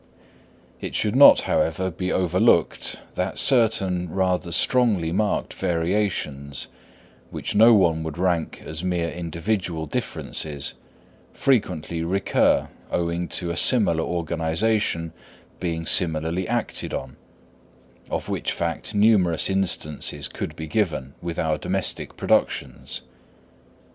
It should not, however, be overlooked that certain rather strongly marked variations, which no one would rank as mere individual differences, frequently recur owing to a similar organisation being similarly acted on—of which fact numerous instances could be given with our domestic productions.